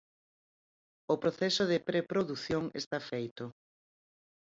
O proceso de pre produción está feito.